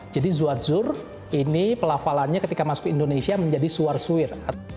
jadi zwadzur ini pelafalannya ketika masuk ke indonesia menjadi suwar suwir